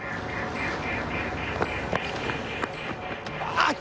あっ！